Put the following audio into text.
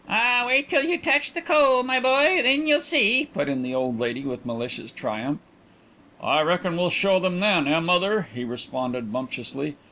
"Ah, wait till you touch the coal, my boy, then you'll see," put in the old lady, with malicious triumph. "I reckon we'll show them then, eh, mother?" he responded bumptiously.